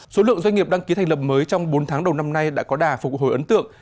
số lượng doanh nghiệp đăng ký thành lập mới trong bốn tháng đầu năm nay đã có đà phục hồi ấn tượng